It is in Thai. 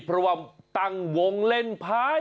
เพราะว่าตั้งวงเล่นพ้าย